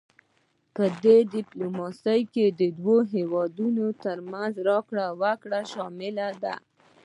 پدې ډیپلوماسي کې د دوه هیوادونو ترمنځ راکړه ورکړه شامله ده